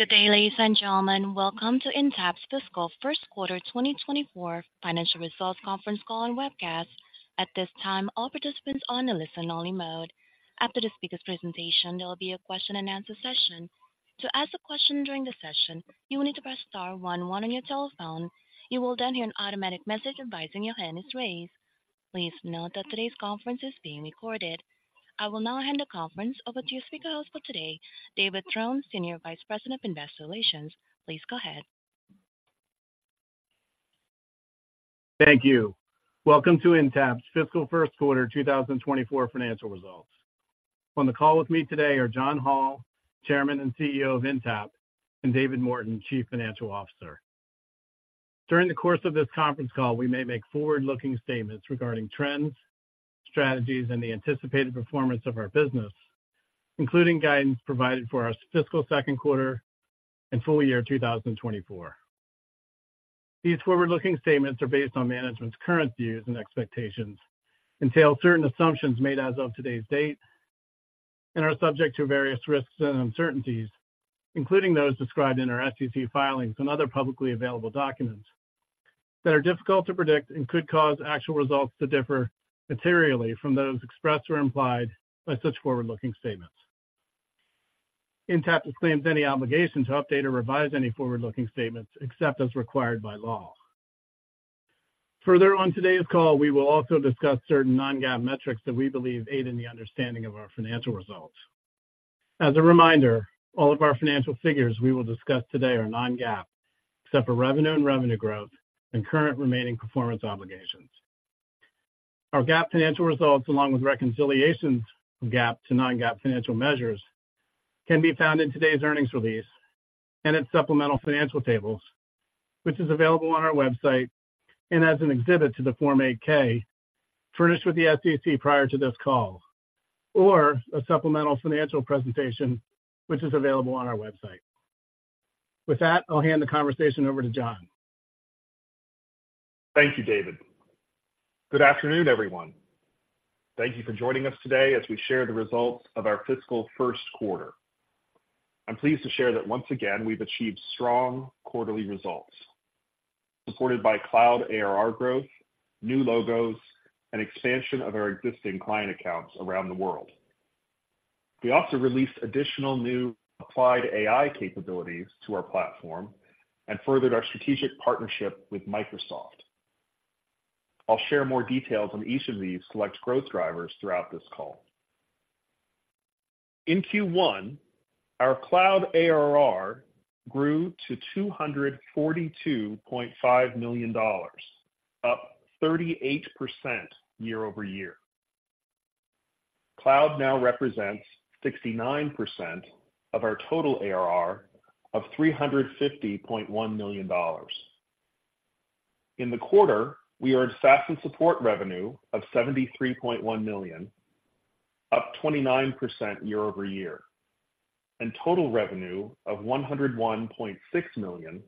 Good day, ladies and gentlemen. Welcome to Intapp's fiscal first quarter 2024 financial results conference call and webcast. At this time, all participants are on a listen-only mode. After the speaker's presentation, there will be a question-and-answer session. To ask a question during the session, you will need to press star one one on your telephone. You will then hear an automatic message advising your hand is raised. Please note that today's conference is being recorded. I will now hand the conference over to your speaker host for today, David Trone, Senior Vice President of Investor Relations. Please go ahead. Thank you. Welcome to Intapp's fiscal first quarter 2024 financial results. On the call with me today are John Hall, Chairman and CEO of Intapp, and David Morton, Chief Financial Officer. During the course of this conference call, we may make forward-looking statements regarding trends, strategies, and the anticipated performance of our business, including guidance provided for our fiscal second quarter and full year 2024. These forward-looking statements are based on management's current views and expectations, entail certain assumptions made as of today's date, and are subject to various risks and uncertainties, including those described in our SEC filings and other publicly available documents that are difficult to predict and could cause actual results to differ materially from those expressed or implied by such forward-looking statements. Intapp disclaims any obligation to update or revise any forward-looking statements except as required by law. Further, on today's call, we will also discuss certain non-GAAP metrics that we believe aid in the understanding of our financial results. As a reminder, all of our financial figures we will discuss today are non-GAAP, except for revenue and revenue growth and current remaining performance obligations. Our GAAP financial results, along with reconciliations from GAAP to non-GAAP financial measures, can be found in today's earnings release and its supplemental financial tables, which is available on our website and as an exhibit to the Form 8-K, furnished with the SEC prior to this call, or a supplemental financial presentation, which is available on our website. With that, I'll hand the conversation over to John. Thank you, David. Good afternoon, everyone. Thank you for joining us today as we share the results of our fiscal first quarter. I'm pleased to share that once again, we've achieved strong quarterly results, supported by cloud ARR growth, new logos, and expansion of our existing client accounts around the world. We also released additional new Applied AI capabilities to our platform and furthered our strategic partnership with Microsoft. I'll share more details on each of these select growth drivers throughout this call. In Q1, our cloud ARR grew to $242.5 million, up 38% year-over-year. Cloud now represents 69% of our total ARR of $350.1 million. In the quarter, we earned SaaS and support revenue of $73.1 million, up 29% year-over-year, and total revenue of $101.6 million,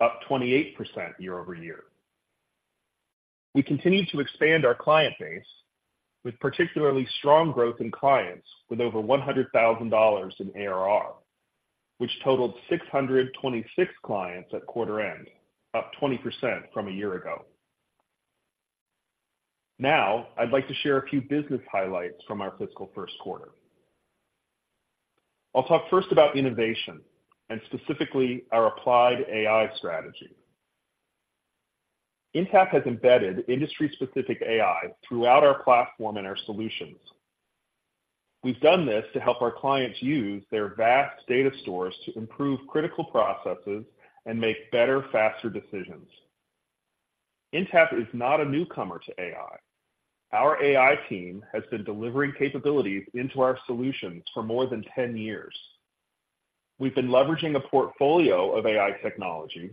up 28% year-over-year. We continued to expand our client base with particularly strong growth in clients with over $100,000 in ARR, which totaled 626 clients at quarter end, up 20% from a year ago. Now, I'd like to share a few business highlights from our fiscal first quarter. I'll talk first about innovation and specifically our Applied AI strategy. Intapp has embedded industry-specific AI throughout our platform and our solutions. We've done this to help our clients use their vast data stores to improve critical processes and make better, faster decisions. Intapp is not a newcomer to AI. Our AI team has been delivering capabilities into our solutions for more than 10 years. We've been leveraging a portfolio of AI technology,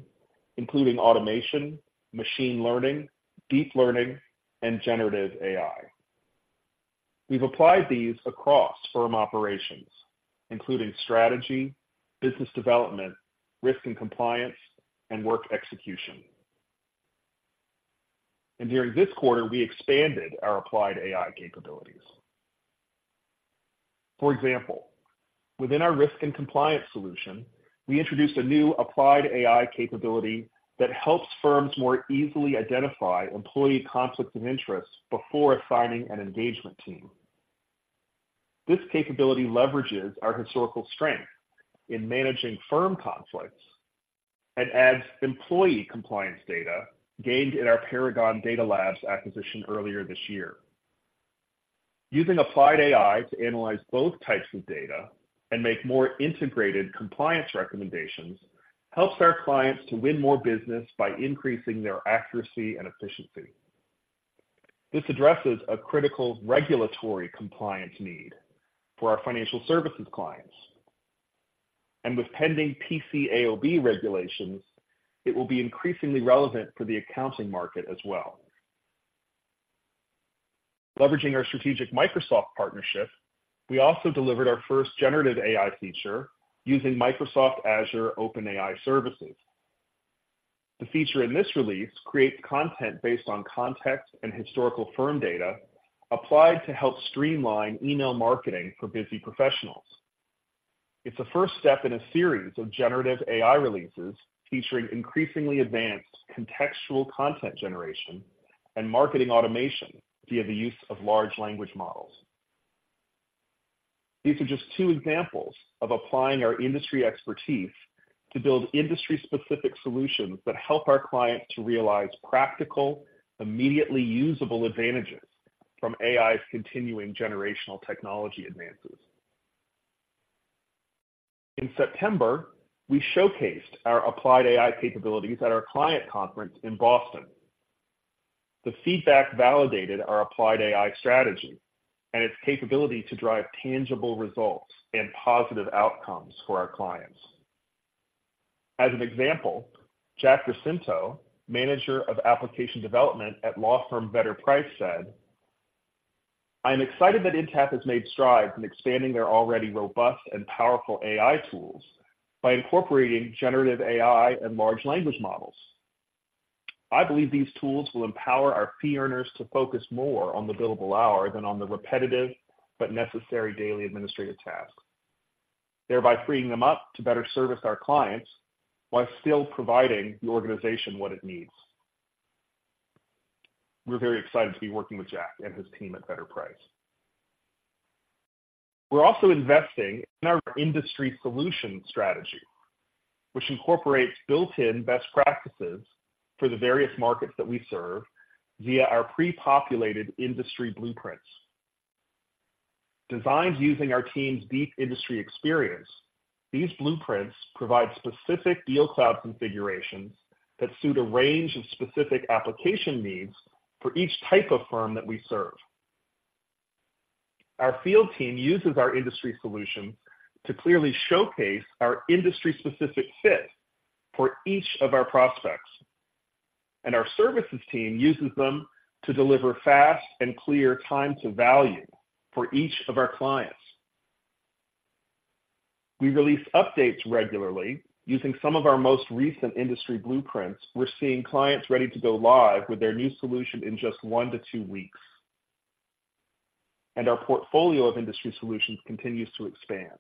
including automation, machine learning, deep learning, and generative AI. We've applied these across firm operations, including strategy, business development, risk and compliance, and work execution. During this quarter, we expanded our applied AI capabilities. For example, within our risk and compliance solution, we introduced a new applied AI capability that helps firms more easily identify employee conflicts of interest before assigning an engagement team. This capability leverages our historical strength in managing firm conflicts and adds employee compliance data gained in our Paragon Data Labs acquisition earlier this year. Using applied AI to analyze both types of data and make more integrated compliance recommendations, helps our clients to win more business by increasing their accuracy and efficiency. This addresses a critical regulatory compliance need for our financial services clients, and with pending PCAOB regulations, it will be increasingly relevant for the accounting market as well. Leveraging our strategic Microsoft partnership, we also delivered our first generative AI feature using Microsoft Azure OpenAI services. The feature in this release creates content based on context and historical firm data, applied to help streamline email marketing for busy professionals. It's the first step in a series of generative AI releases, featuring increasingly advanced contextual content generation and marketing automation via the use of large language models. These are just two examples of applying our industry expertise to build industry-specific solutions that help our clients to realize practical, immediately usable advantages from AI's continuing generational technology advances. In September, we showcased our applied AI capabilities at our client conference in Boston. The feedback validated our Applied AI strategy and its capability to drive tangible results and positive outcomes for our clients. As an example, Jack Jacinto, Manager of Application Development at law firm Vedder Price, said, "I am excited that Intapp has made strides in expanding their already robust and powerful AI tools by incorporating Generative AI and large language models. I believe these tools will empower our fee earners to focus more on the billable hour than on the repetitive but necessary daily administrative tasks, thereby freeing them up to better service our clients while still providing the organization what it needs." We're very excited to be working with Jack and his team at Vedder Price. We're also investing in our industry solution strategy, which incorporates built-in best practices for the various markets that we serve via our pre-populated industry blueprints. Designed using our team's deep industry experience, these blueprints provide specific DealCloud configurations that suit a range of specific application needs for each type of firm that we serve. Our field team uses our industry solutions to clearly showcase our industry-specific fit for each of our prospects, and our services team uses them to deliver fast and clear time to value for each of our clients. We release updates regularly. Using some of our most recent industry blueprints, we're seeing clients ready to go live with their new solution in just 1-2 weeks. And our portfolio of industry solutions continues to expand.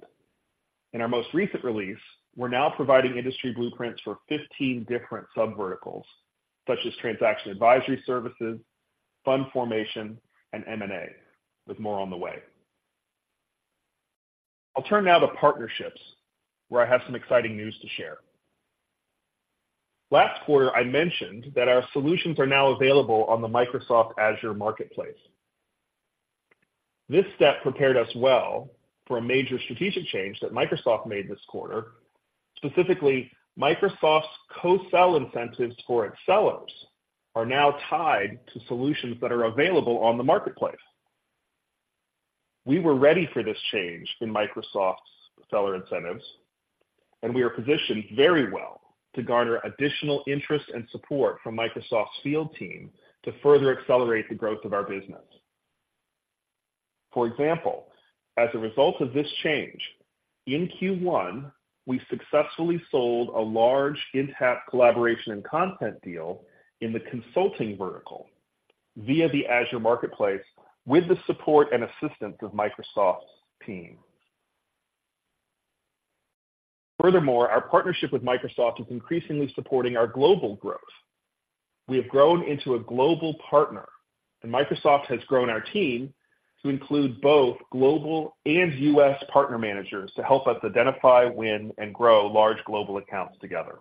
In our most recent release, we're now providing industry blueprints for 15 different subverticals, such as transaction advisory services, fund formation, and M&A, with more on the way. I'll turn now to partnerships, where I have some exciting news to share. Last quarter, I mentioned that our solutions are now available on the Microsoft Azure Marketplace. This step prepared us well for a major strategic change that Microsoft made this quarter. Specifically, Microsoft's co-sell incentives for its sellers are now tied to solutions that are available on the Marketplace. We were ready for this change in Microsoft's seller incentives, and we are positioned very well to garner additional interest and support from Microsoft's field team to further accelerate the growth of our business. For example, as a result of this change, in Q1, we successfully sold a large Intapp Collaboration and Content deal in the consulting vertical via the Azure Marketplace with the support and assistance of Microsoft's team. Furthermore, our partnership with Microsoft is increasingly supporting our global growth. We have grown into a global partner, and Microsoft has grown our team to include both global and US partner managers to help us identify, win, and grow large global accounts together.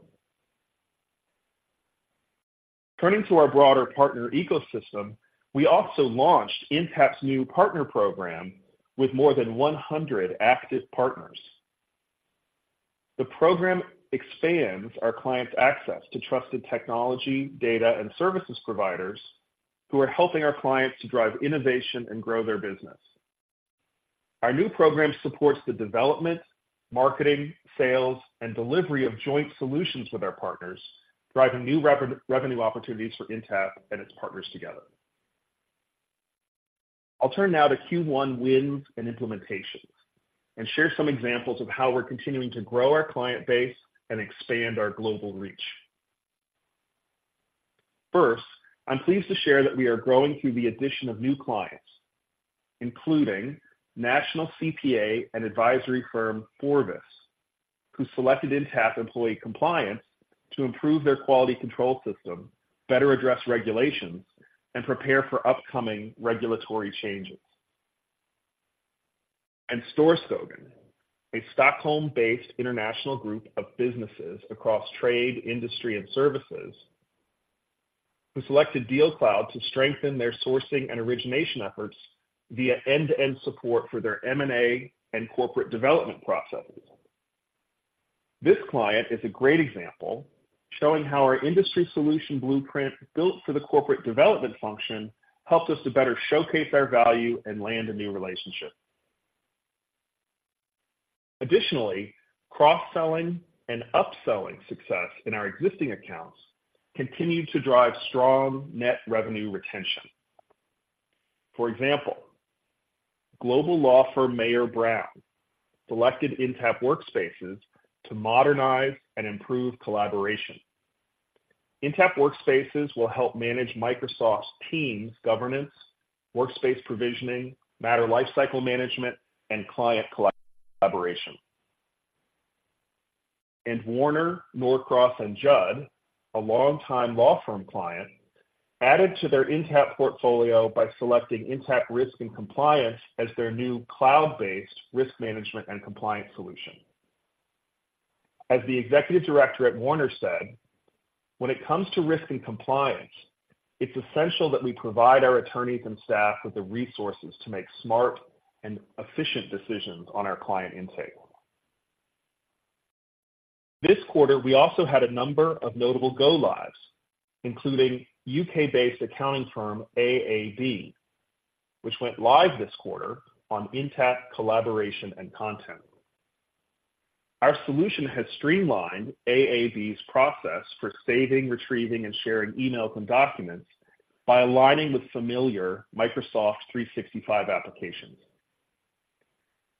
Turning to our broader partner ecosystem, we also launched Intapp's new partner program with more than 100 active partners. The program expands our clients' access to trusted technology, data, and services providers who are helping our clients to drive innovation and grow their business. Our new program supports the development, marketing, sales, and delivery of joint solutions with our partners, driving new revenue opportunities for Intapp and its partners together. I'll turn now to Q1 wins and implementations and share some examples of how we're continuing to grow our client base and expand our global reach. First, I'm pleased to share that we are growing through the addition of new clients, including national CPA and advisory firm FORVIS, who selected Intapp Employee Compliance to improve their quality control system, better address regulations, and prepare for upcoming regulatory changes. Storskogen, a Stockholm-based international group of businesses across trade, industry, and services, who selected DealCloud to strengthen their sourcing and origination efforts via end-to-end support for their M&A and corporate development processes. This client is a great example, showing how our industry solution blueprint, built for the corporate development function, helps us to better showcase our value and land a new relationship. Additionally, cross-selling and upselling success in our existing accounts continued to drive strong net revenue retention.... For example, global law firm Mayer Brown selected Intapp Workspaces to modernize and improve collaboration. Intapp Workspaces will help manage Microsoft Teams, governance, workspace provisioning, matter lifecycle management, and client collaboration. Warner Norcross + Judd, a longtime law firm client, added to their Intapp portfolio by selecting Intapp Risk and Compliance as their new cloud-based risk management and compliance solution. As the executive director at Warner said, "When it comes to risk and compliance, it's essential that we provide our attorneys and staff with the resources to make smart and efficient decisions on our client intake." This quarter, we also had a number of notable go-lives, including UK-based accounting firm AAB, which went live this quarter on Intapp Collaboration and Content. Our solution has streamlined AAB's process for saving, retrieving, and sharing emails and documents by aligning with familiar Microsoft 365 applications.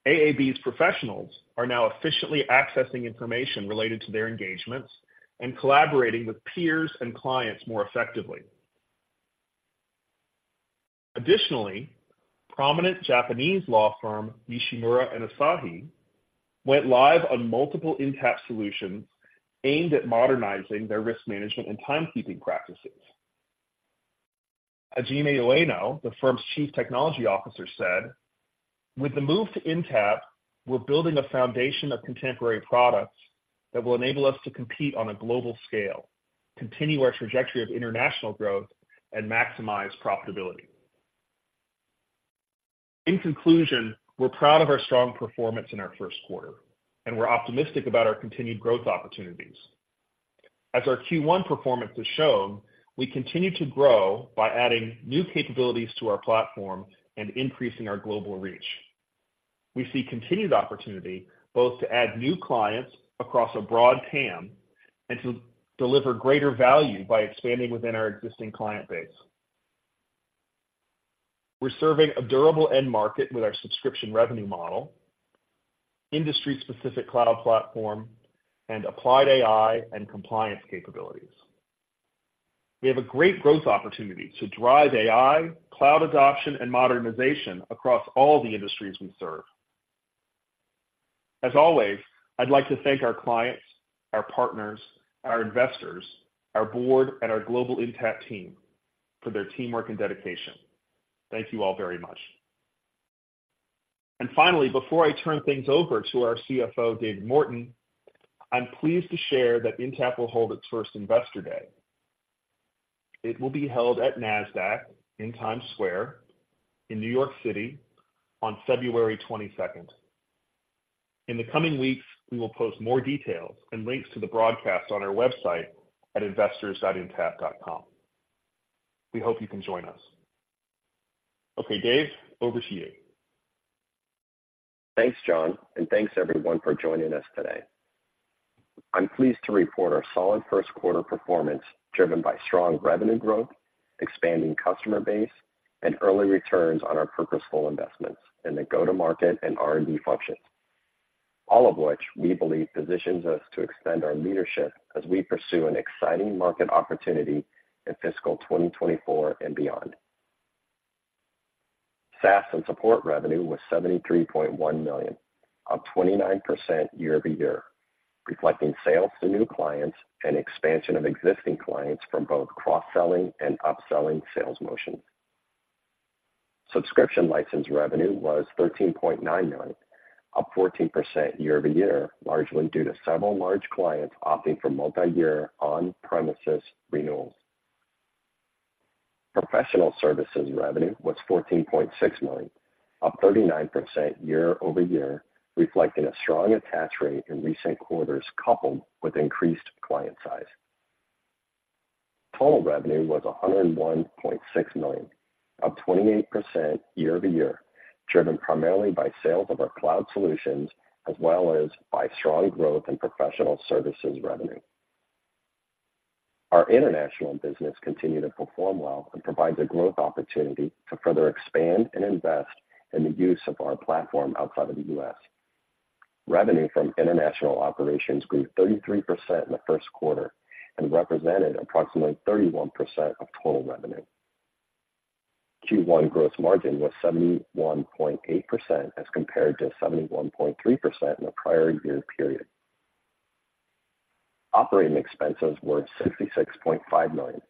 AAB's professionals are now efficiently accessing information related to their engagements and collaborating with peers and clients more effectively. Additionally, prominent Japanese law firm, Nishimura & Asahi, went live on multiple Intapp solutions aimed at modernizing their risk management and timekeeping practices. Hajime Ueno, the firm's Chief Technology Officer, said, "With the move to Intapp, we're building a foundation of contemporary products that will enable us to compete on a global scale, continue our trajectory of international growth, and maximize profitability." In conclusion, we're proud of our strong performance in our first quarter, and we're optimistic about our continued growth opportunities. As our Q1 performance has shown, we continue to grow by adding new capabilities to our platform and increasing our global reach. We see continued opportunity, both to add new clients across a broad TAM and to deliver greater value by expanding within our existing client base. We're serving a durable end market with our subscription revenue model, industry-specific cloud platform, and Applied AI and compliance capabilities. We have a great growth opportunity to drive AI, cloud adoption, and modernization across all the industries we serve. As always, I'd like to thank our clients, our partners, our investors, our board, and our global Intapp team for their teamwork and dedication. Thank you all very much. And finally, before I turn things over to our CFO, David Morton, I'm pleased to share that Intapp will hold its first Investor Day. It will be held at Nasdaq in Times Square in New York City on February 22. In the coming weeks, we will post more details and links to the broadcast on our website at investors.intapp.com. We hope you can join us. Okay, Dave, over to you. Thanks, John, and thanks, everyone, for joining us today. I'm pleased to report our solid first quarter performance, driven by strong revenue growth, expanding customer base, and early returns on our purposeful investments in the go-to-market and R&D functions. All of which we believe positions us to extend our leadership as we pursue an exciting market opportunity in fiscal 2024 and beyond. SaaS and support revenue was $73.1 million, up 29% year-over-year, reflecting sales to new clients and expansion of existing clients from both cross-selling and upselling sales motions. Subscription license revenue was $13.9 million, up 14% year-over-year, largely due to several large clients opting for multiyear on-premises renewals. Professional services revenue was $14.6 million, up 39% year-over-year, reflecting a strong attach rate in recent quarters, coupled with increased client size. Total revenue was $101.6 million, up 28% year-over-year, driven primarily by sales of our cloud solutions, as well as by strong growth in professional services revenue. Our international business continued to perform well and provides a growth opportunity to further expand and invest in the use of our platform outside of the U.S. Revenue from international operations grew 33% in the first quarter and represented approximately 31% of total revenue. Q1 gross margin was 71.8% as compared to 71.3% in the prior year period. Operating expenses were $66.5 million,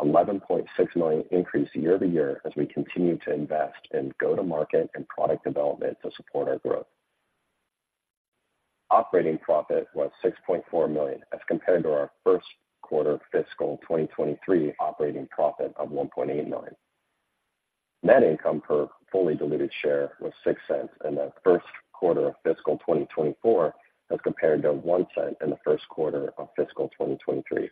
$11.6 million increase year-over-year, as we continue to invest in go-to-market and product development to support our growth. Operating profit was $6.4 million, as compared to our first quarter fiscal 2023 operating profit of $1.8 million. Net income per fully diluted share was $0.06 in the first quarter of fiscal 2024, as compared to $0.01 in the first quarter of fiscal 2023.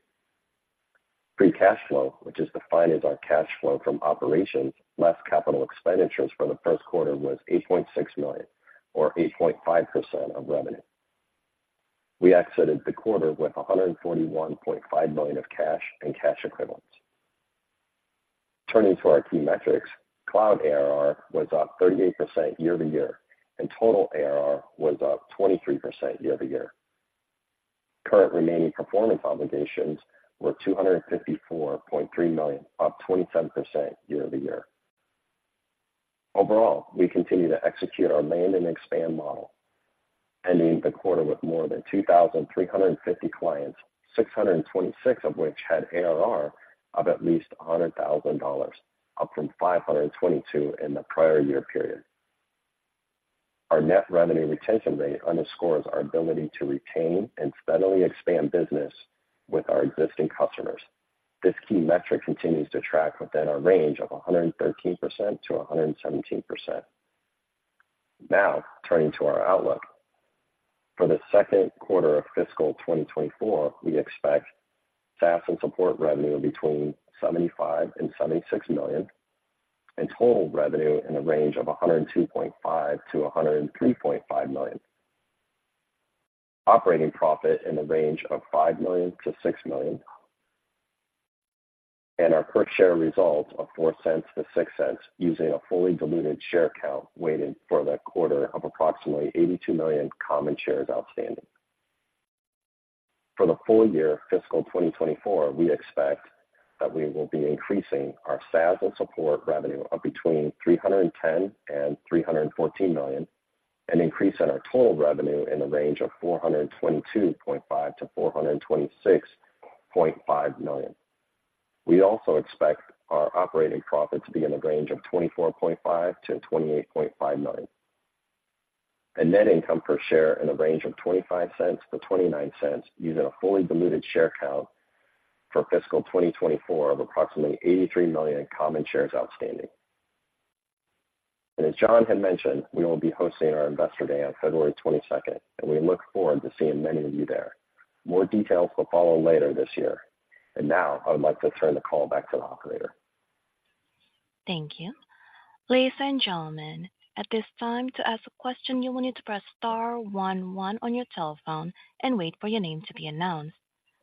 Free cash flow, which is defined as our cash flow from operations, less capital expenditures for the first quarter, was $8.6 million or 8.5% of revenue. We exited the quarter with $141.5 million of cash and cash equivalents. Turning to our key metrics, cloud ARR was up 38% year-over-year, and total ARR was up 23% year-over-year. Current remaining performance obligations were $254.3 million, up 27% year-over-year. Overall, we continue to execute our land and expand model, ending the quarter with more than 2,350 clients, 626 of which had ARR of at least $100,000, up from 522 in the prior year period. Our net revenue retention rate underscores our ability to retain and steadily expand business with our existing customers. This key metric continues to track within our range of 113%-117%. Now, turning to our outlook. For the second quarter of fiscal 2024, we expect SaaS and support revenue between $75 million and $76 million, and total revenue in the range of $102.5 million-$103.5 million. Operating profit in the range of $5 million-$6 million, and our per share results of $0.04-$0.06, using a fully diluted share count weighted for the quarter of approximately 82 million common shares outstanding. For the full year fiscal 2024, we expect that we will be increasing our SaaS and support revenue of between $310 million and $314 million, an increase in our total revenue in the range of $422.5 million-$426.5 million. We also expect our operating profit to be in the range of $24.5 million-$28.5 million. Net income per share in a range of $0.25-$0.29, using a fully diluted share count for fiscal 2024 of approximately 83 million common shares outstanding. As John had mentioned, we will be hosting our Investor Day on February 22nd, and we look forward to seeing many of you there. More details will follow later this year. Now I would like to turn the call back to the operator. Thank you. Ladies and gentlemen, at this time, to ask a question, you will need to press star one one on your telephone and wait for your name to be announced.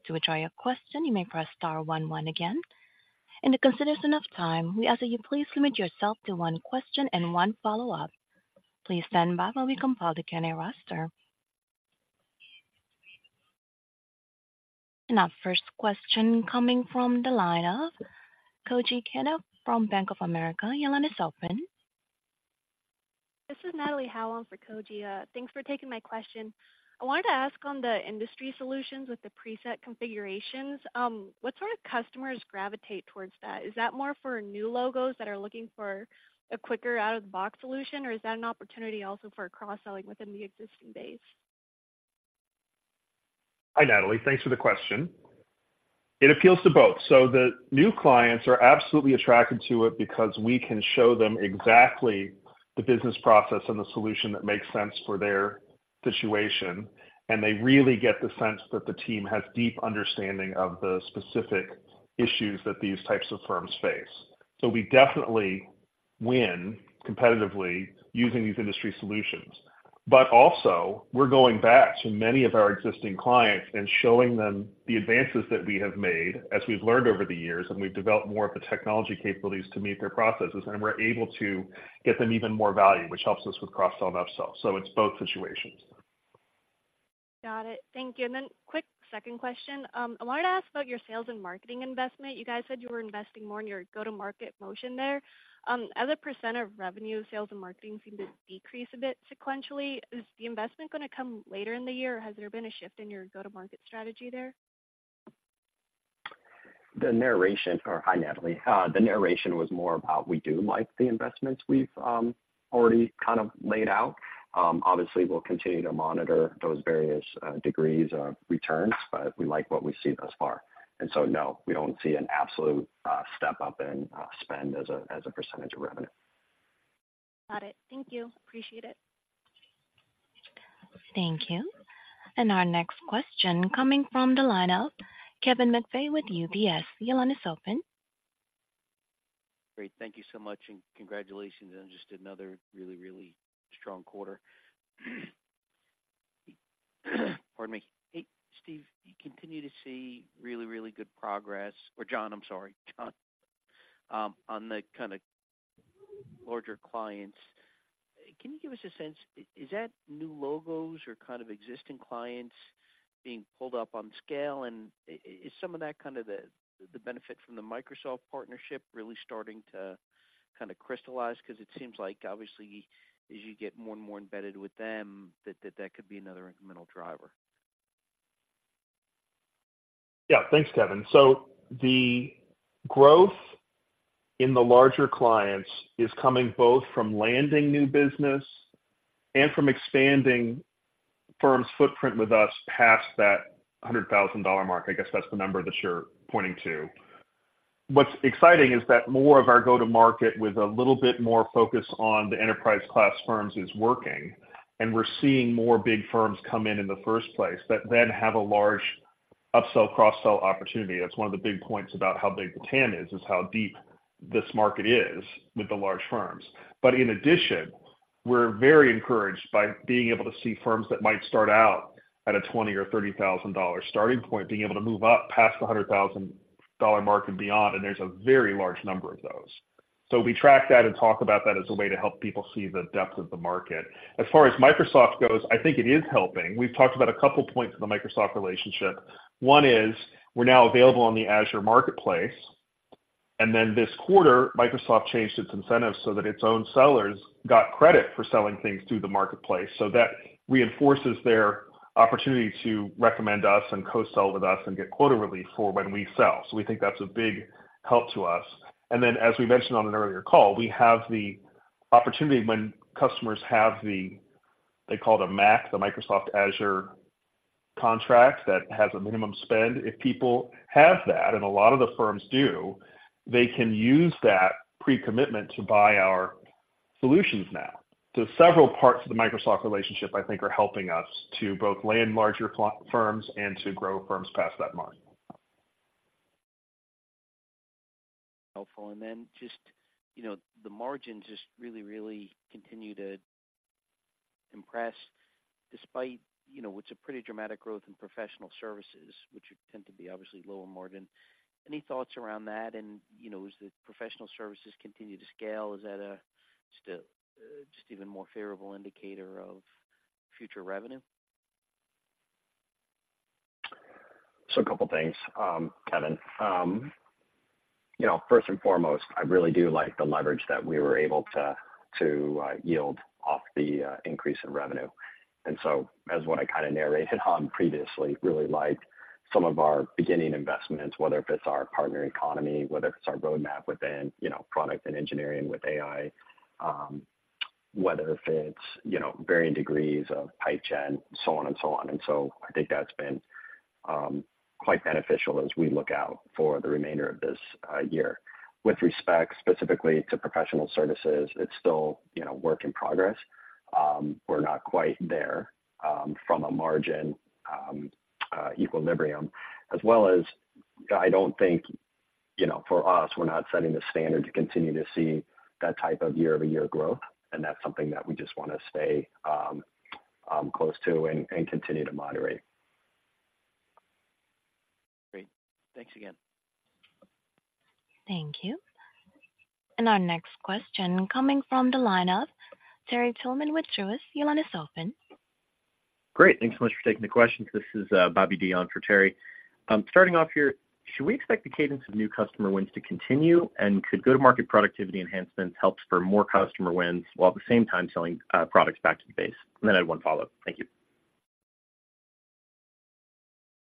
To withdraw your question, you may press star one one again. In the consideration of time, we ask that you please limit yourself to one question and one follow-up. Please stand by while we compile the Q&A roster. Our first question coming from the line of Koji Ikeda from Bank of America. Your line is open. This is Natalie Howell in for Koji. Thanks for taking my question. I wanted to ask on the industry solutions with the preset configurations, what sort of customers gravitate towards that? Is that more for new logos that are looking for a quicker out-of-the-box solution, or is that an opportunity also for cross-selling within the existing base? Hi, Natalie. Thanks for the question. It appeals to both. So the new clients are absolutely attracted to it because we can show them exactly the business process and the solution that makes sense for their situation, and they really get the sense that the team has deep understanding of the specific issues that these types of firms face. So we definitely win competitively using these industry solutions, but also we're going back to many of our existing clients and showing them the advances that we have made as we've learned over the years, and we've developed more of the technology capabilities to meet their processes, and we're able to get them even more value, which helps us with cross-sell and up-sell. So it's both situations. Got it. Thank you. Then quick second question. I wanted to ask about your sales and marketing investment. You guys said you were investing more in your go-to-market motion there. As a % of revenue, sales, and marketing seemed to decrease a bit sequentially. Is the investment gonna come later in the year, or has there been a shift in your go-to-market strategy there? Hi, Natalie. The narration was more about we do like the investments we've already kind of laid out. Obviously, we'll continue to monitor those various degrees of returns, but we like what we see thus far, and so, no, we don't see an absolute step up in spend as a percentage of revenue. Got it. Thank you. Appreciate it. Thank you. And our next question coming from the line of Kevin McVeigh with UBS. Your line is open. Great. Thank you so much, and congratulations on just another really, really strong quarter. Pardon me. Hey, Steve, you continue to see really, really good progress, or John, I'm sorry, John. On the kind of larger clients, can you give us a sense, is that new logos or kind of existing clients being pulled up on scale? And is some of that kind of the, the benefit from the Microsoft partnership really starting to kind of crystallize? Because it seems like, obviously, as you get more and more embedded with them, that, that could be another incremental driver. Yeah. Thanks, Kevin. So the growth in the larger clients is coming both from landing new business and from expanding firms' footprint with us past that $100,000 mark. I guess that's the number that you're pointing to. What's exciting is that more of our go-to market with a little bit more focus on the enterprise-class firms is working, and we're seeing more big firms come in in the first place that then have a large upsell, cross-sell opportunity. That's one of the big points about how big the TAM is, is how deep this market is with the large firms. But in addition, we're very encouraged by being able to see firms that might start out at a $20,000 or $30,000 starting point, being able to move up past the $100,000 mark and beyond, and there's a very large number of those. So we track that and talk about that as a way to help people see the depth of the market. As far as Microsoft goes, I think it is helping. We've talked about a couple of points in the Microsoft relationship. One is, we're now available on the Azure Marketplace, and then this quarter, Microsoft changed its incentives so that its own sellers got credit for selling things through the marketplace. So that reinforces their opportunity to recommend us and co-sell with us and get quota relief for when we sell. So we think that's a big help to us. And then, as we mentioned on an earlier call, we have the opportunity when customers have the, they call it a MAC, the Microsoft Azure Contract, that has a minimum spend. If people have that, and a lot of the firms do, they can use that pre-commitment to buy our solutions now. So several parts of the Microsoft relationship, I think, are helping us to both land larger firms and to grow firms past that mark. Helpful. And then just, you know, the margins just really, really continue to impress despite, you know, what's a pretty dramatic growth in professional services, which would tend to be obviously lower margin. Any thoughts around that? And, you know, as the professional services continue to scale, is that a, just a, just even more favorable indicator of future revenue? So a couple of things, Kevin. You know, first and foremost, I really do like the leverage that we were able to to yield off the increase in revenue. And so as what I kind of narrated on previously, really liked some of our beginning investments, whether if it's our partner economy, whether if it's our roadmap within, you know, product and engineering with AI, whether if it's, you know, varying degrees of pipe gen, so on and so on. And so I think that's been quite beneficial as we look out for the remainder of this year. With respect specifically to professional services, it's still, you know, work in progress. We're not quite there from a margin equilibrium, as well as I don't think, you know, for us, we're not setting the standard to continue to see that type of year-over-year growth, and that's something that we just want to stay close to and continue to moderate. Great. Thanks again. Thank you. Our next question coming from the line of Terry Tillman with Truist. Your line is open. Great. Thanks so much for taking the question. This is, Bobby Dion for Terry. Starting off here, should we expect the cadence of new customer wins to continue? And could go-to-market productivity enhancements help spur more customer wins, while at the same time selling, products back to the base? And then I have one follow-up. Thank you.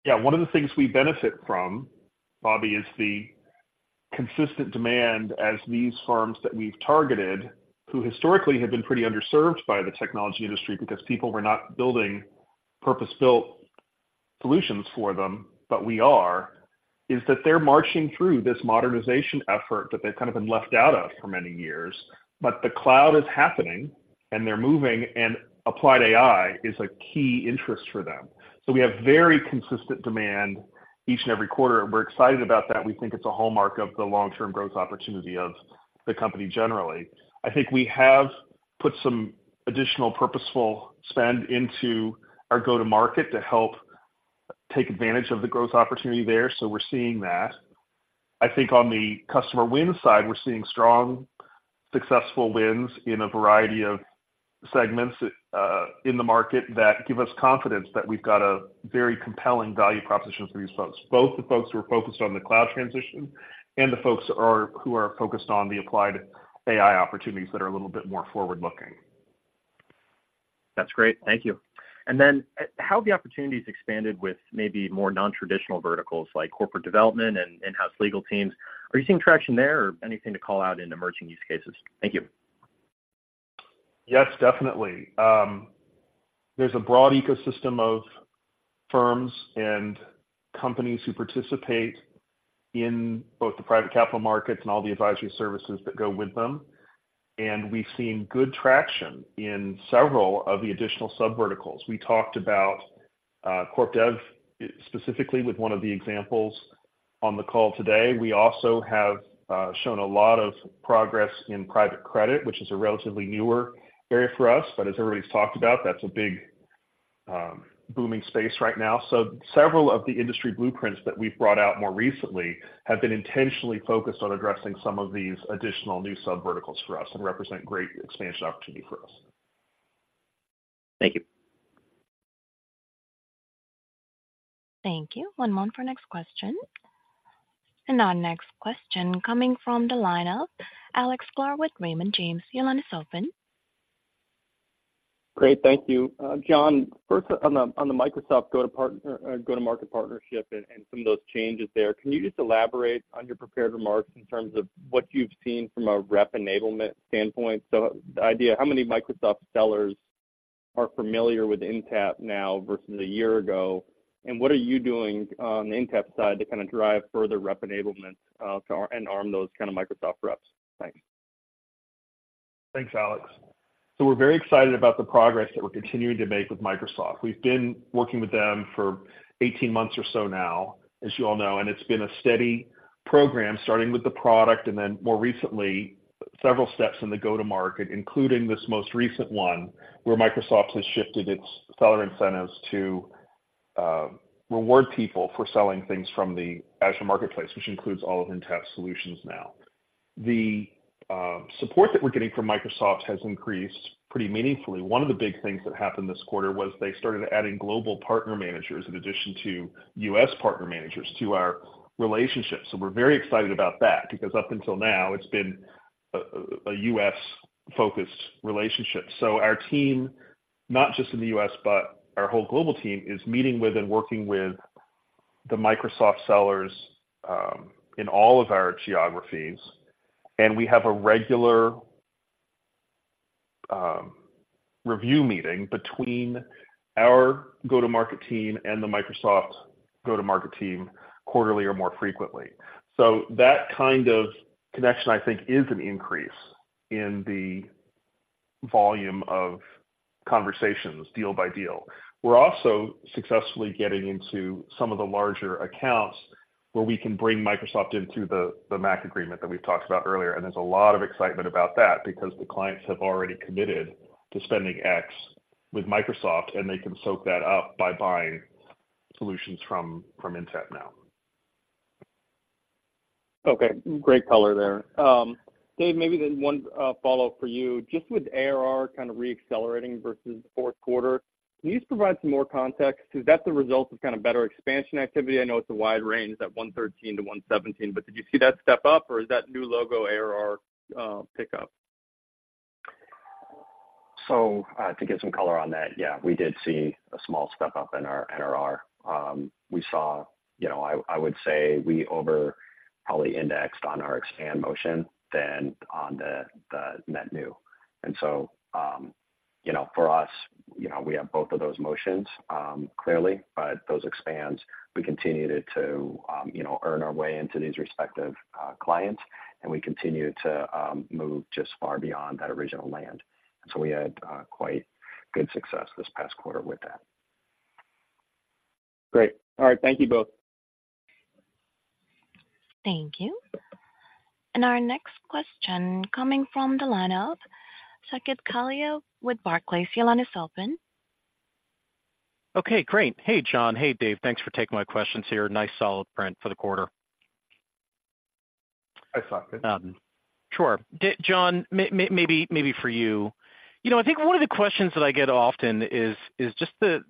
Yeah, one of the things we benefit from, Bobby, is the consistent demand as these firms that we've targeted, who historically have been pretty underserved by the technology industry because people were not building purpose-built solutions for them, but we are, is that they're marching through this modernization effort that they've kind of been left out of for many years. But the cloud is happening, and they're moving, and Applied AI is a key interest for them. So we have very consistent demand each and every quarter. We're excited about that. We think it's a hallmark of the long-term growth opportunity of the company generally. I think we have put some additional purposeful spend into our go-to-market to help take advantage of the growth opportunity there, so we're seeing that. I think on the customer win side, we're seeing strong, successful wins in a variety of segments, in the market that give us confidence that we've got a very compelling value proposition for these folks, both the folks who are focused on the cloud transition and the folks who are focused on the Applied AI opportunities that are a little bit more forward-looking. That's great. Thank you. And then, how have the opportunities expanded with maybe more non-traditional verticals like corporate development and in-house legal teams? Are you seeing traction there or anything to call out in emerging use cases? Thank you. Yes, definitely. There's a broad ecosystem of firms and companies who participate in both the private capital markets and all the advisory services that go with them, and we've seen good traction in several of the additional subverticals. We talked about corp dev, specifically with one of the examples on the call today. We also have shown a lot of progress in private credit, which is a relatively newer area for us, but as everybody's talked about, that's a big booming space right now. Several of the industry blueprints that we've brought out more recently have been intentionally focused on addressing some of these additional new subverticals for us and represent great expansion opportunity for us. Thank you. Thank you. One moment for next question. Our next question coming from the line of Alex Sklar with Raymond James. Your line is open. Great, thank you. John, first on the Microsoft go-to partner go-to-market partnership and some of those changes there, can you just elaborate on your prepared remarks in terms of what you've seen from a rep enablement standpoint? So the idea, how many Microsoft sellers are familiar with INTA now versus a year ago, and what are you doing on the INTA side to kind of drive further rep enablement to arm those kind of Microsoft reps? Thanks.... Thanks, Alex. So we're very excited about the progress that we're continuing to make with Microsoft. We've been working with them for 18 months or so now, as you all know, and it's been a steady program, starting with the product and then more recently, several steps in the go-to-market, including this most recent one, where Microsoft has shifted its seller incentives to reward people for selling things from the Azure Marketplace, which includes all of Intapp solutions now. The support that we're getting from Microsoft has increased pretty meaningfully. One of the big things that happened this quarter was they started adding global partner managers, in addition to U.S. partner managers, to our relationship. So we're very excited about that, because up until now, it's been a U.S.-focused relationship. So our team, not just in the U.S., but our whole global team, is meeting with and working with the Microsoft sellers, in all of our geographies, and we have a regular, review meeting between our go-to-market team and the Microsoft go-to-market team quarterly or more frequently. So that kind of connection, I think, is an increase in the volume of conversations, deal by deal. We're also successfully getting into some of the larger accounts where we can bring Microsoft into the, the MAC agreement that we've talked about earlier, and there's a lot of excitement about that because the clients have already committed to spending X with Microsoft, and they can soak that up by buying solutions from, from Intapp now. Okay, great color there. Dave, maybe then one follow-up for you. Just with ARR kind of reaccelerating versus the fourth quarter, can you just provide some more context? Is that the result of kind of better expansion activity? I know it's a wide range, that 113-117, but did you see that step up, or is that new logo ARR pickup? So, to give some color on that, yeah, we did see a small step-up in our ARR. We saw... You know, I, I would say we over probably indexed on our expand motion than on the, the net new. And so, you know, for us, you know, we have both of those motions, clearly, but those expands, we continued to, you know, earn our way into these respective, clients, and we continued to, move just far beyond that original land. And so we had, quite good success this past quarter with that. Great. All right. Thank you both. Thank you. Our next question, coming from the lineup, Saket Kalia with Barclays. Your line is open. Okay, great. Hey, John. Hey, Dave. Thanks for taking my questions here. Nice, solid print for the quarter. Thanks, Saket. Sure. John, maybe for you. You know, I think one of the questions that I get often is just the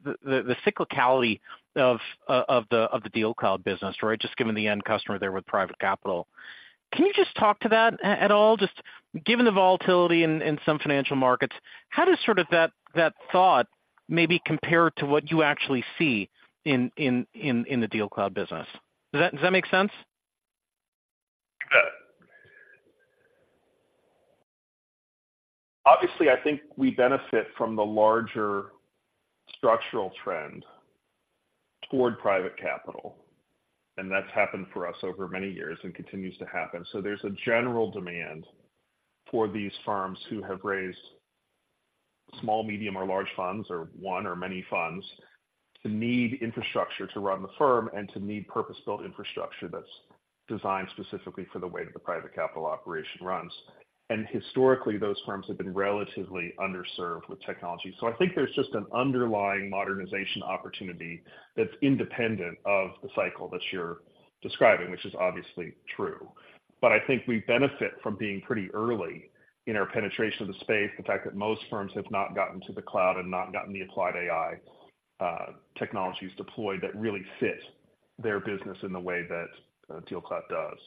cyclicality of the DealCloud business, right? Just given the end customer there with private capital. Can you just talk to that at all? Just given the volatility in some financial markets, how does sort of that thought maybe compare to what you actually see in the DealCloud business? Does that make sense? Yeah. Obviously, I think we benefit from the larger structural trend toward private capital, and that's happened for us over many years and continues to happen. So there's a general demand for these firms who have raised small, medium, or large funds, or one or many funds, to need infrastructure to run the firm and to need purpose-built infrastructure that's designed specifically for the way that the private capital operation runs. And historically, those firms have been relatively underserved with technology. So I think there's just an underlying modernization opportunity that's independent of the cycle that you're describing, which is obviously true. But I think we benefit from being pretty early in our penetration of the space, the fact that most firms have not gotten to the cloud and not gotten the applied AI technologies deployed that really fit their business in the way that DealCloud does.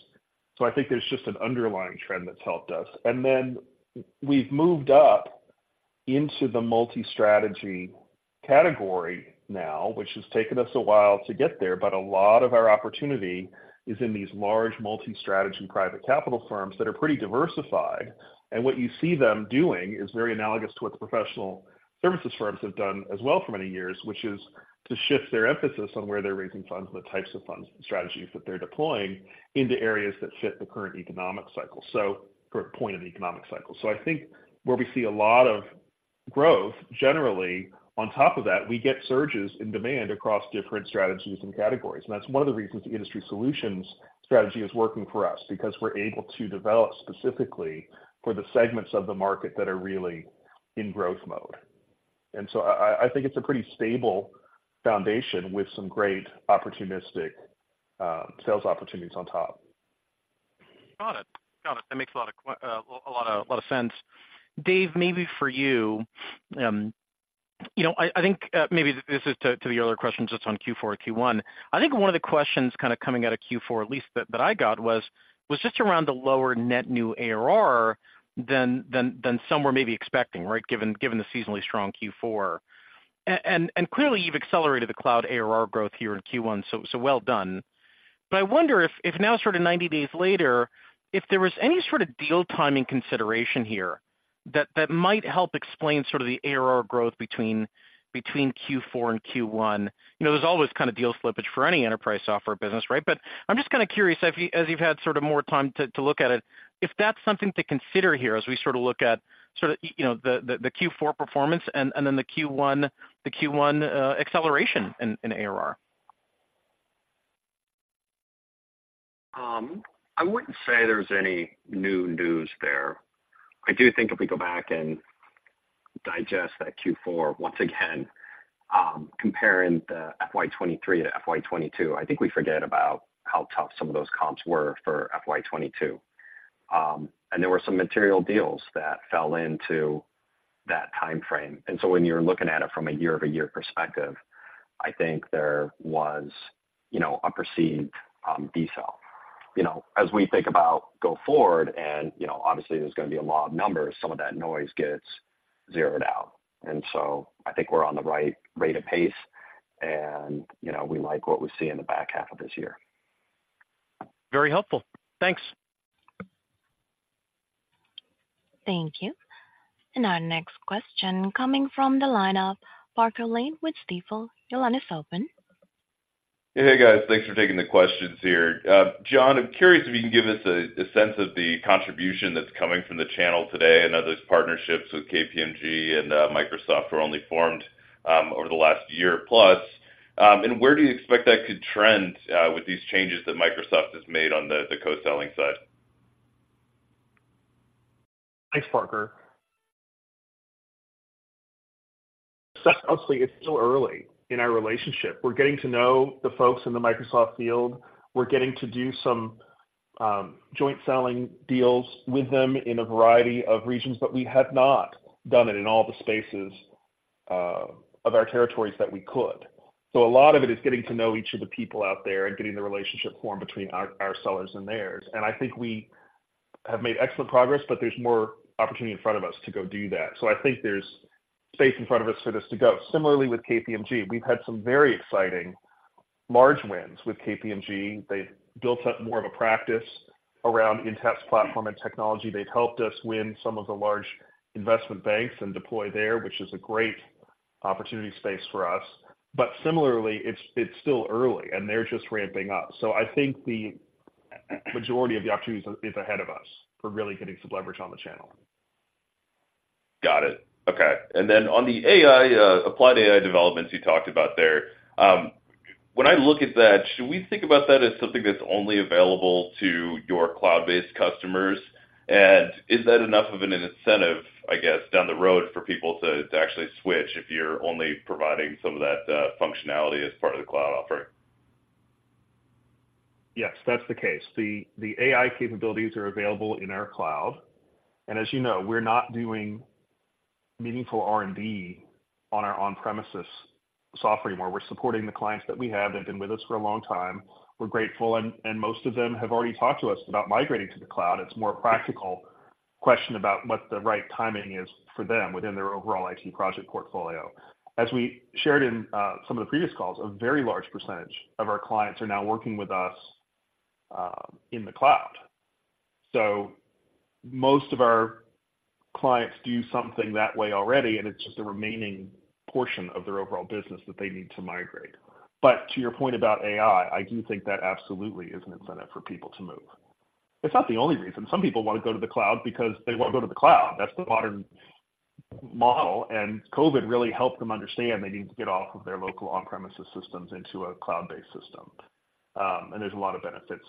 I think there's just an underlying trend that's helped us. And then we've moved up into the multi-strategy category now, which has taken us a while to get there, but a lot of our opportunity is in these large, multi-strategy private capital firms that are pretty diversified. What you see them doing is very analogous to what the professional services firms have done as well for many years, which is to shift their emphasis on where they're raising funds and the types of funds and strategies that they're deploying into areas that fit the current economic cycle, so for a point in the economic cycle. I think where we see a lot of growth, generally, on top of that, we get surges in demand across different strategies and categories. And that's one of the reasons the industry solutions strategy is working for us, because we're able to develop specifically for the segments of the market that are really in growth mode. And so I think it's a pretty stable foundation with some great opportunistic sales opportunities on top. Got it. Got it. That makes a lot of sense. Dave, maybe for you, you know, I think maybe this is to the earlier questions just on Q4 and Q1. I think one of the questions kind of coming out of Q4, at least that I got, was just around the lower net new ARR than some were maybe expecting, right, given the seasonally strong Q4. And clearly, you've accelerated the cloud ARR growth here in Q1, so well done. But I wonder if now sort of 90 days later, if there was any sort of deal timing consideration here? That might help explain sort of the ARR growth between Q4 and Q1. You know, there's always kind of deal slippage for any enterprise software business, right? But I'm just kind of curious if you, as you've had sort of more time to look at it, if that's something to consider here as we sort of look at sort of you know, the Q4 performance and then the Q1 acceleration in ARR. I wouldn't say there's any new news there. I do think if we go back and digest that Q4 once again, comparing the FY 2023 to FY 2022, I think we forget about how tough some of those comps were for FY 2022. And there were some material deals that fell into that timeframe. And so when you're looking at it from a year-over-year perspective, I think there was, you know, a perceived decel. You know, as we think about go forward and, you know, obviously, there's going to be a law of numbers, some of that noise gets zeroed out. And so I think we're on the right rate of pace, and, you know, we like what we see in the back half of this year. Very helpful. Thanks. Thank you. And our next question coming from the line of Parker Lane with Stifel. Your line is open. Hey, guys, thanks for taking the questions here. John, I'm curious if you can give us a sense of the contribution that's coming from the channel today. I know those partnerships with KPMG and Microsoft were only formed over the last year plus. And where do you expect that to trend with these changes that Microsoft has made on the co-selling side? Thanks, Parker. So honestly, it's still early in our relationship. We're getting to know the folks in the Microsoft field. We're getting to do some joint selling deals with them in a variety of regions, but we have not done it in all the spaces of our territories that we could. So a lot of it is getting to know each of the people out there and getting the relationship formed between our sellers and theirs. And I think we have made excellent progress, but there's more opportunity in front of us to go do that. So I think there's space in front of us for this to go. Similarly, with KPMG, we've had some very exciting large wins with KPMG. They've built up more of a practice around Intapp's platform and technology. They've helped us win some of the large investment banks and deploy there, which is a great opportunity space for us. But similarly, it's still early, and they're just ramping up. So I think the majority of the opportunity is ahead of us for really getting some leverage on the channel. Got it. Okay. And then on the AI, Applied AI developments you talked about there, when I look at that, should we think about that as something that's only available to your cloud-based customers? And is that enough of an incentive, I guess, down the road for people to actually switch if you're only providing some of that, functionality as part of the cloud offering? Yes, that's the case. The AI capabilities are available in our cloud, and as you know, we're not doing meaningful R&D on our on-premises software anymore. We're supporting the clients that we have. They've been with us for a long time. We're grateful, and most of them have already talked to us about migrating to the cloud. It's more a practical question about what the right timing is for them within their overall IT project portfolio. As we shared in some of the previous calls, a very large percentage of our clients are now working with us in the cloud. So most of our clients do something that way already, and it's just a remaining portion of their overall business that they need to migrate. But to your point about AI, I do think that absolutely is an incentive for people to move. It's not the only reason. Some people want to go to the cloud because they want to go to the cloud. That's the modern model, and COVID really helped them understand they need to get off of their local on-premises systems into a cloud-based system. And there's a lot of benefits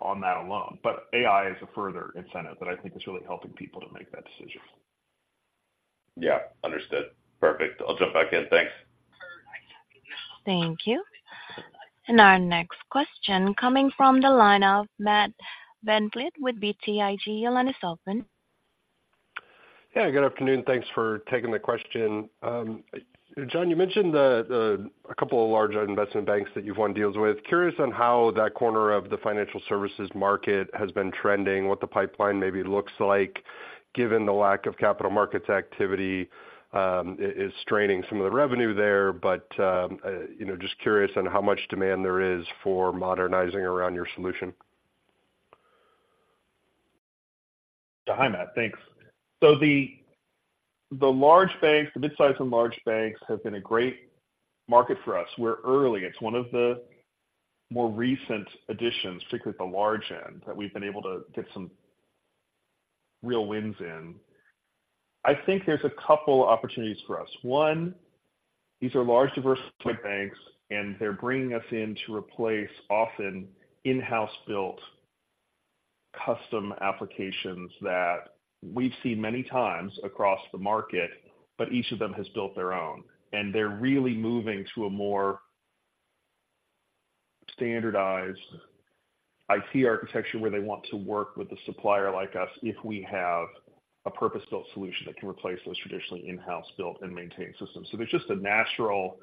on that alone. But AI is a further incentive that I think is really helping people to make that decision. Yeah, understood. Perfect. I'll jump back in. Thanks. Thank you. And our next question, coming from the line of Matt VanVliet with BTIG. Your line is open. Yeah, good afternoon. Thanks for taking the question. John, you mentioned the a couple of large investment banks that you've won deals with. Curious on how that corner of the financial services market has been trending, what the pipeline maybe looks like, given the lack of capital markets activity, is straining some of the revenue there, but, you know, just curious on how much demand there is for modernizing around your solution. Hi, Matt. Thanks. So the large banks, the midsize and large banks, have been a great market for us. We're early. It's one of the more recent additions, particularly at the large end, that we've been able to get some real wins in. I think there's a couple opportunities for us. One, these are large, diversified banks, and they're bringing us in to replace, often, in-house built custom applications that we've seen many times across the market, but each of them has built their own, and they're really moving to a more standardized IT architecture, where they want to work with a supplier like us if we have a purpose-built solution that can replace those traditionally in-house built and maintained systems. So there's just a natural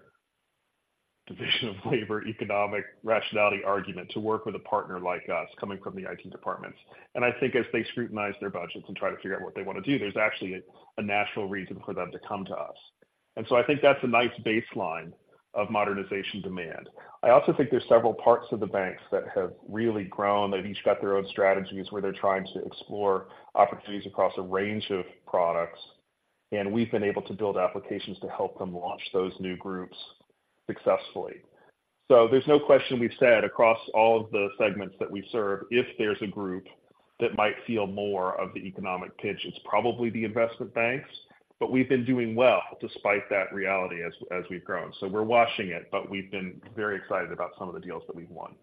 division of labor, economic rationality argument to work with a partner like us coming from the IT departments. And I think as they scrutinize their budgets and try to figure out what they want to do, there's actually a natural reason for them to come to us. And so I think that's a nice baseline of modernization demand. I also think there's several parts of the banks that have really grown. They've each got their own strategies, where they're trying to explore opportunities across a range of products, and we've been able to build applications to help them launch those new groups successfully. So there's no question we've said across all of the segments that we serve, if there's a group that might feel more of the economic pinch, it's probably the investment banks, but we've been doing well despite that reality as we've grown. So we're watching it, but we've been very excited about some of the deals that we've won.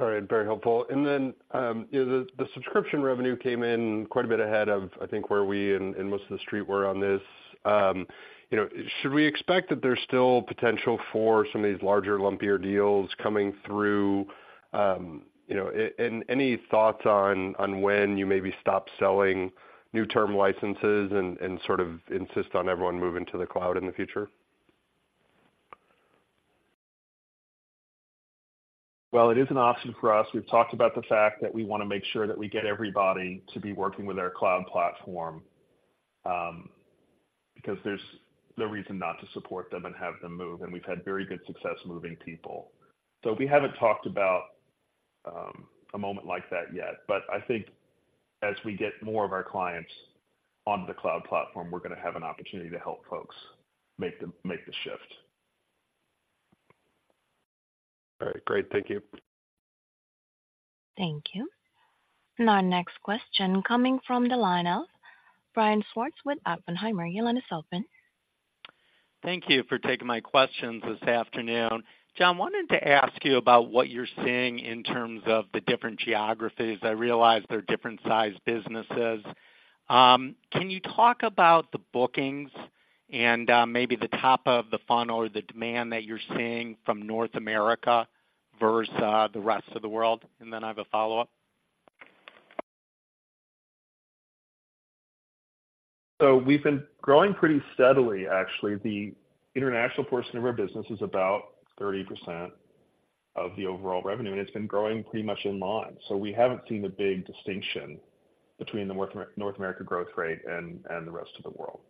All right, very helpful. And then, the subscription revenue came in quite a bit ahead of, I think, where we and most of the street were on this. You know, should we expect that there's still potential for some of these larger, lumpier deals coming through, you know? And any thoughts on when you maybe stop selling new term licenses and sort of insist on everyone moving to the cloud in the future? Well, it is an option for us. We've talked about the fact that we wanna make sure that we get everybody to be working with our cloud platform, because there's no reason not to support them and have them move, and we've had very good success moving people. So we haven't talked about a moment like that yet, but I think as we get more of our clients on the cloud platform, we're gonna have an opportunity to help folks make the shift. All right, great. Thank you. Thank you. Our next question coming from the line of Brian Schwartz with Oppenheimer. Your line is open. Thank you for taking my questions this afternoon. John, wanted to ask you about what you're seeing in terms of the different geographies. I realize they're different-sized businesses. Can you talk about the bookings and, maybe the top of the funnel or the demand that you're seeing from North America versus, the rest of the world? And then I have a follow-up. We've been growing pretty steadily, actually. The international portion of our business is about 30% of the overall revenue, and it's been growing pretty much in line. We haven't seen a big distinction between the North America growth rate and the rest of the world.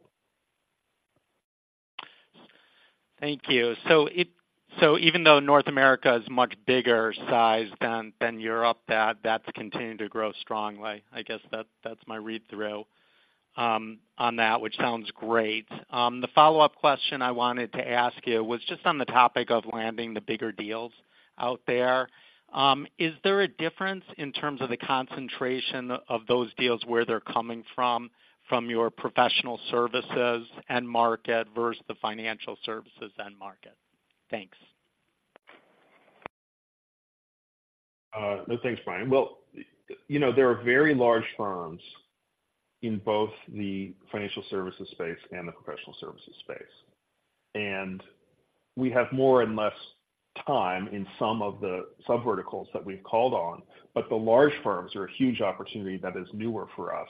Thank you. So even though North America is much bigger sized than Europe, that's continuing to grow strongly. I guess that's my read-through on that, which sounds great. The follow-up question I wanted to ask you was just on the topic of landing the bigger deals out there. Is there a difference in terms of the concentration of those deals, where they're coming from, from your professional services end market versus the financial services end market? Thanks. Thanks, Brian. Well, you know, there are very large firms in both the financial services space and the professional services space, and we have more and less time in some of the subverticals that we've called on. But the large firms are a huge opportunity that is newer for us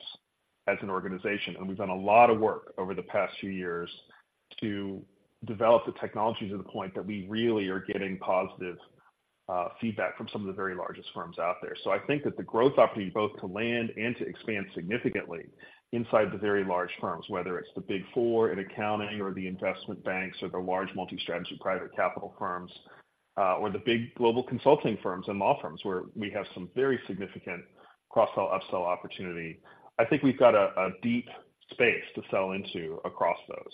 as an organization, and we've done a lot of work over the past few years to develop the technology to the point that we really are getting positive, feedback from some of the very largest firms out there. So I think that the growth opportunity, both to land and to expand significantly inside the very large firms, whether it's the Big Four in accounting or the investment banks or the large multi-strategy private capital firms, or the big global consulting firms and law firms, where we have some very significant cross-sell, upsell opportunity. I think we've got a deep space to sell into across those.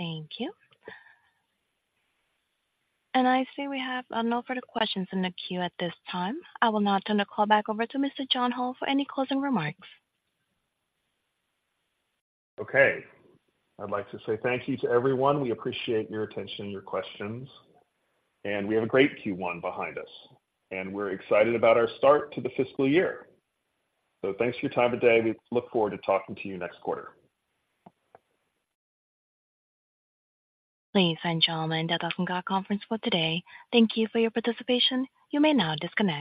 Thank you. I see we have no further questions in the queue at this time. I will now turn the call back over to Mr. John Hall for any closing remarks. Okay. I'd like to say thank you to everyone. We appreciate your attention and your questions, and we have a great Q1 behind us, and we're excited about our start to the fiscal year. So thanks for your time today. We look forward to talking to you next quarter. Ladies and gentlemen, that concludes our conference call today. Thank you for your participation. You may now disconnect.